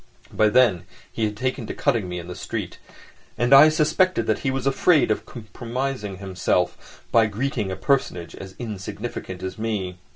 By then he had taken to cutting me in the street, and I suspected that he was afraid of compromising himself by greeting a personage as insignificant as me.